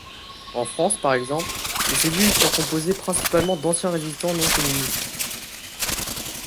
En France par exemple, ces cellules furent composées principalement d'anciens résistants non-communistes.